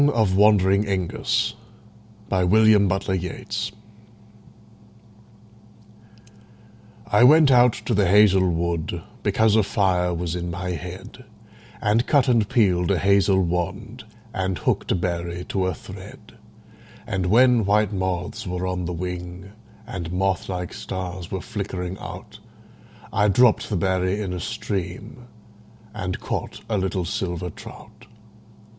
William Butler Yeats The Song of Wandering Aengus I WENT out to the hazel wood, Because a fire was in my head, And cut and peeled a hazel wand, And hooked a berry to a thread; And when white moths were on the wing, And moth like stars were flickering out, I dropped the berry in a stream And caught a little silver trout.